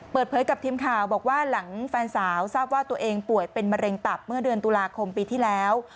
เปิดเผยกับทีมข่าวบอกว่าหลังแฟนสาวทราบว่าตัวเองป่วยเป็นมะเร็งตับเมื่อเดือนตุลาคมปีที่แล้ว